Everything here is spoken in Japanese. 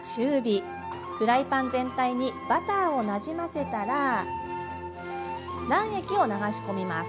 フライパン全体にバターをなじませたら卵液を流し込みます。